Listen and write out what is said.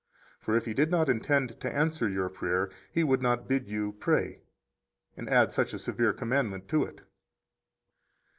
For if He did not intend to answer your prayer, He would not bid you pray and add such a severe commandment to it.